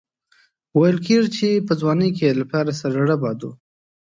ویل کېږي چې په ځوانۍ کې یې له پلار سره زړه بد و.